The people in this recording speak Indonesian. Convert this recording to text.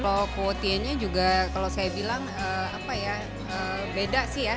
kalau kuotinya juga kalau saya bilang beda sih ya